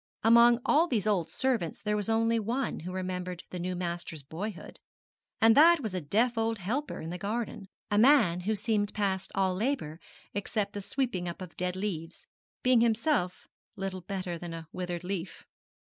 Among all these old servants there was only one who remembered the new master's boyhood; and that was a deaf old helper in the garden, a man who seemed past all labour except the sweeping up of dead leaves, being himself little better than a withered leaf.